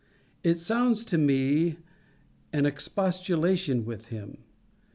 It sounds to me an expostulation with him.